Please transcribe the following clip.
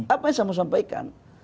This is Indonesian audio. apa yang saya mau sampaikan